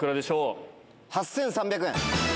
８３００円。